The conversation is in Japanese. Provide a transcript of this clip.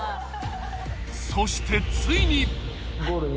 ［そしてついに］